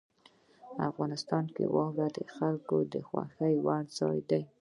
افغانستان کې واوره د خلکو د خوښې وړ ځای دی.